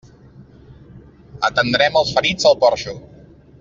Atendrem els ferits al porxo.